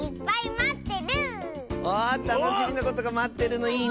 あたのしみなことがまってるのいいね！